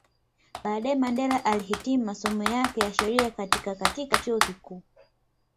Baadae Mandela alihitimu masomo yake ya sheria katika Katika chuo kikuu